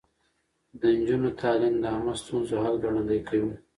د نجونو تعليم د عامه ستونزو حل ګړندی کوي.